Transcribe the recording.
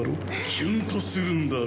キュンとするんだろ？